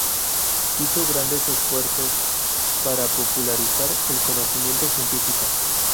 Hizo grandes esfuerzos para popularizar el conocimiento científico.